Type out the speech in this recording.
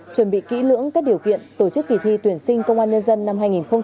chuẩn bị kỹ lưỡng các điều kiện tổ chức kỳ thi tuyển sinh công an nhân dân năm hai nghìn hai mươi